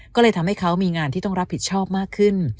ก็เลยทำให้เขามีงานที่ต้องรับผิดชอบมากขึ้น